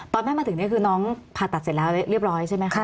แม่มาถึงนี่คือน้องผ่าตัดเสร็จแล้วเรียบร้อยใช่ไหมคะ